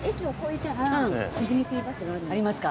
ありますか。